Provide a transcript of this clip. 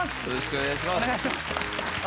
お願いします。